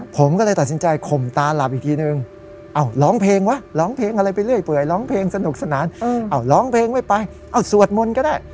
ผมก็เลยตัดสินใจข่มตาหลับอีกทีนึงร้องเพลงวะร้องเพลงอะไรไปเรื่อยเปื่อยร้องเพลงสนุกสนานเอาร้องเพลงไม่ไปเอาสวดมนต์ก็ได้